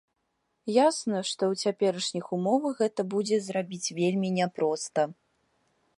Ясна, што ў цяперашніх умовах гэта будзе зрабіць вельмі няпроста.